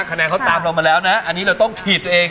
คะแนนเขาตามเรามาแล้วนะอันนี้เราต้องถีบตัวเอง